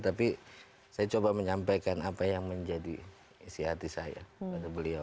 tapi saya coba menyampaikan apa yang menjadi isi hati saya pada beliau